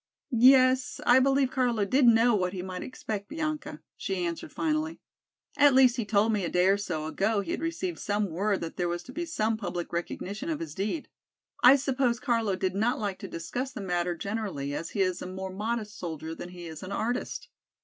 "Yes, I believe Carlo did know what he might expect Bianca," she answered finally. "At least he told me a day or so ago he had received some word that there was to be some public recognition of his deed. I suppose Carlo did not like to discuss the matter generally as he is a more modest soldier than he is an artist."